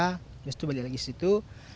habis itu balik lagi ke situ